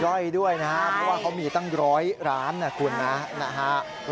จ้อยด้วยนะครับเพราะว่ามีตั้ง๑๐๐ร้านคุณนะฮะ